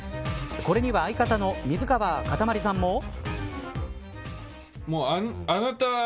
これには相方の水川かたまりさんも。